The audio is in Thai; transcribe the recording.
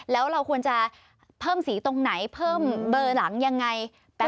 แล้วเราควรจะเพิ่มสีตรงไหนเพิ่มเบอร์หลังยังไง